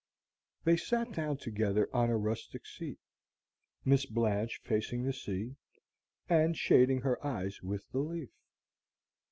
They sat down together on a rustic seat, Miss Blanche facing the sea, and shading her eyes with the leaf.